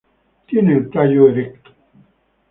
Tiene el tallo erecto.